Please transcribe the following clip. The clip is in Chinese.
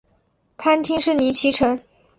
藩厅是尼崎城。